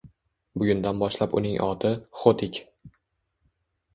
Bugundan boshlab uning oti — Xo‘tik.